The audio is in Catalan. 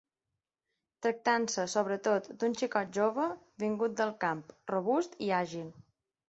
Tractant-se, sobretot, d'un xicot jove, vingut del camp, robust i àgil